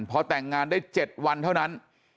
พอแต่งงานได้๗วันเท่านั้น